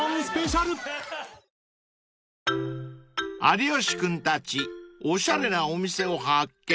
［有吉君たちおしゃれなお店を発見］